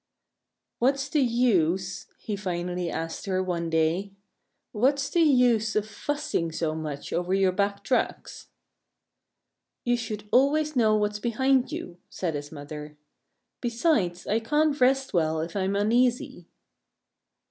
"What's the use," he finally asked her one day, "what's the use of fussing so much over your back tracks?" "You should always know what's behind you," said his mother. "Besides, I can't rest well if I'm uneasy."